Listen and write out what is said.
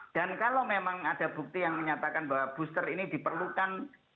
dan kalau memang ada bukti yang menyatakan bahwa booster ini diperlukan